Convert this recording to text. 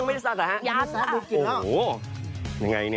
น้ำน้ำนี่